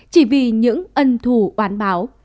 chỉ vì những ân thù oán báo